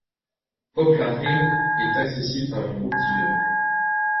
Poplar Hill est accessible par une route d'hiver.